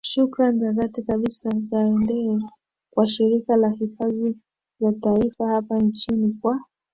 Shukrani za dhati kabisa zaende kwa Shirika la Hifadhi za Taifa hapa nchini kwa